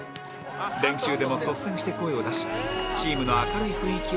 練習でも率先して声を出しチームの明るい雰囲気を作り出すと